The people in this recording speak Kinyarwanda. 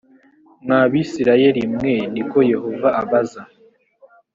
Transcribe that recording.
mwa bisirayeli mwe ni ko yehova abaza